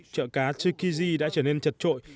chợ cá tsukiji đã trở nên chật trội